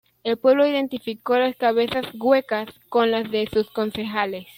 El pueblo identificó las cabezas "huecas" con las de sus concejales.